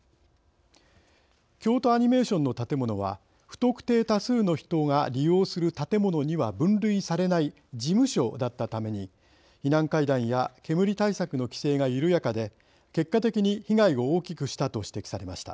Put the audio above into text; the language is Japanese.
京都アニメーションの建物は不特定多数の人が利用する建物には分類されない事務所だったために避難階段や煙対策の規制が緩やかで結果的に被害を大きくしたと指摘されました。